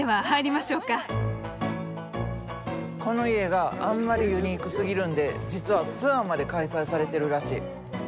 この家があんまりユニークすぎるんで実はツアーまで開催されてるらしい。